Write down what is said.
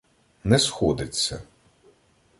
Не сходиться.